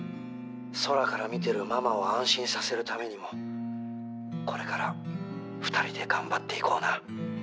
「空から見てるママを安心させるためにもこれから２人で頑張っていこうな」